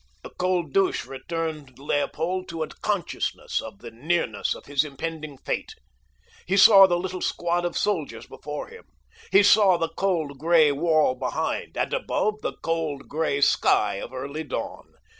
The cold douche returned Leopold to a consciousness of the nearness of his impending fate. He saw the little squad of soldiers before him. He saw the cold, gray wall behind, and, above, the cold, gray sky of early dawn.